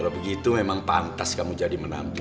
kalau begitu memang pantas kamu jadi menanti